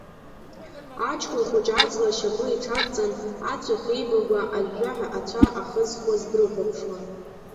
Аҷкәын хәыҷы аҵла ашьапы иҽадҵан, ацә иахеибагәа ажәжәаҳәа ацәа ахызхуаз дрыхәаԥшуан.